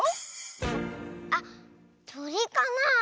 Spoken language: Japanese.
あっとりかな？